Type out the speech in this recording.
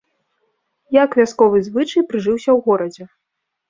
Як вясковы звычай прыжыўся ў горадзе?